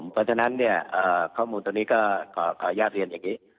เพราะฉะนั้นข้อมูลตรงนี้ก็ขออนุญาตเรียนอย่างนี้